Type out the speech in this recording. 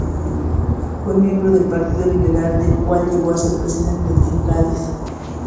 Fue miembro del partido liberal, del cual llegó a ser presidente en Cádiz.